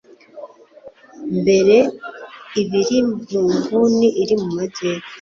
mbere iba iri mu nguni iri mu majyepfo